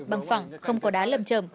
bằng phòng không có đá lầm trầm